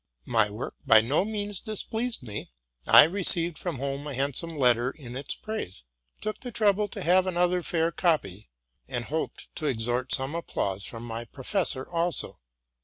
My work by no means displeased me. I received from home a handsome letter in its praise, took the trouble to have another fair copy, and hoped to extort some applause from my professor also.